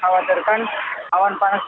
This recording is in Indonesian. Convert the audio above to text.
karena disawatirkan awan parasit